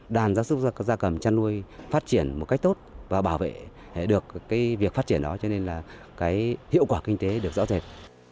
đàn giáo sức gia cầm chăn nuôi phát triển một cách tốt và bảo vệ được việc phát triển đó cho nên hiệu quả kinh tế được rõ rệt